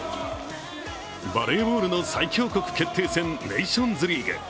バレーボールの世界最強国決定戦ネーションズリーグ。